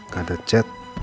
gak ada chat